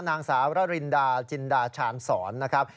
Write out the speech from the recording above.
นางสาวระรินดาจินดาชาญสอนนะครับ